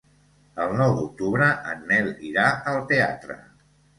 El nou d'octubre en Nel irà al teatre.